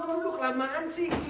udah kelamaan sih